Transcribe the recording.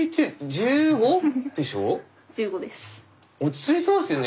１５です。